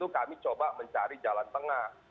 kami mencari jalan tengah